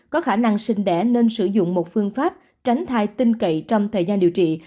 có khả năng sinh đẻ nên sử dụng một phương pháp tránh thai tin cậy trong thời gian điều trị